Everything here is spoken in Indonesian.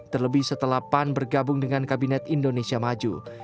terlebih setelah pan bergabung dengan kabinet indonesia maju